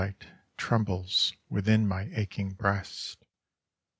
^ht trembles within ay aching breast.